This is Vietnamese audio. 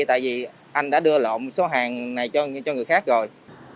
tại vì anh đã đưa lộm số hàng này cho người khác rồi